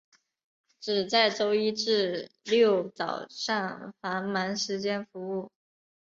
只在周一至六早上繁忙时间服务。